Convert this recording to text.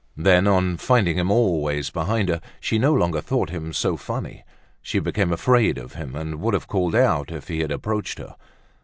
Then, on finding him always behind her, she no longer thought him so funny. She became afraid of him and would have called out if he had approached her.